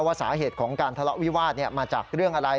สาเหตุของการทะเลาะวิวาสมาจากเรื่องอะไร